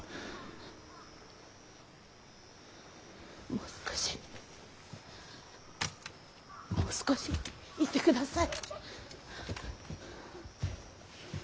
もう少しもう少しいてください。